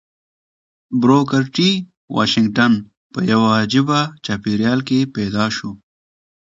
بروکر ټي واشنګټن په يوه عجيبه چاپېريال کې پيدا شو.